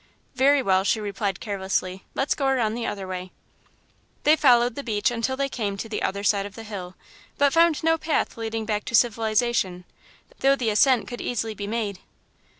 "Very well," she replied carelessly, "let's go around the other way." They followed the beach until they came to the other side of the hill, but found no path leading back to civilisation, though the ascent could easily be made.